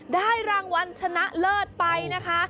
ได้รางวัลชนะเลิศไปนะคะ